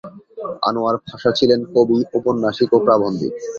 আনোয়ার পাশা ছিলেন কবি, ঔপন্যাসিক ও প্রাবন্ধিক।